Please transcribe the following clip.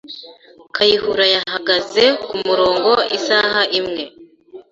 Kayihura yahagaze kumurongo isaha imwe.